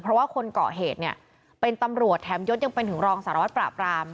เพราะว่าคนเกาะเหตุเนี่ยเป็นตำรวจแถมยศยังเป็นถึงรองสารวัตรปราบราม